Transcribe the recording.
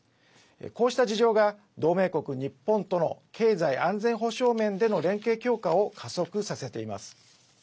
こうした事情が同盟国日本との経済安全保障面での連携強化を加速させています。